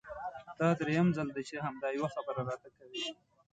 دا درېيم ځل دی چې همدا يوه خبره راته کوې!